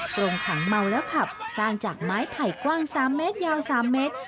โรงขังเมาแล้วขับสร้างจากไม้ไผ่กว้าง๓เมตรยาว๓เมตร